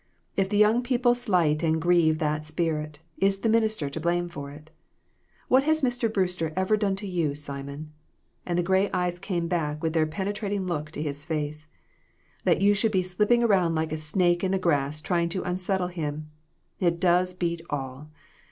If young people slight and grieve that Spirit, is the minister to blame for it ? What has Mr. Brewster ever done to you, Simon" and the gray eyes came back with their penetrating look to his face "that you should be slipping around like a snake in the grass trying to unsettle him ? It does beat all